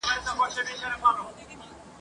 یو او مهم علت یې دا دی !.